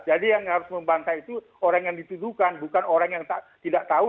jadi yang harus membantai itu orang yang dituduhkan bukan orang yang tidak tahu